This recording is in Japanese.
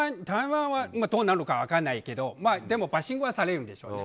どうなるか分からないけどでもバッシングはされるでしょうね。